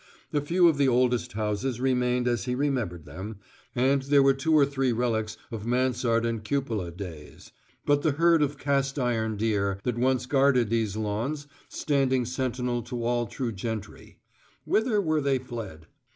A few of the oldest houses remained as he remembered them, and there were two or three relics of mansard and cupola days; but the herd of cast iron deer that once guarded these lawns, standing sentinel to all true gentry: Whither were they fled?